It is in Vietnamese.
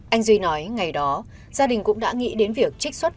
anh duy nói ngày đó gia đình cũng đã nghĩ đến việc trích xuất